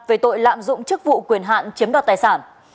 về tội lạm dụng chức vụ quyền hạn chiếm đoạt tài sản